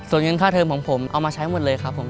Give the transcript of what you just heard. ส่วนเงินค่าเทิมของผมเอามาใช้หมดเลยครับผม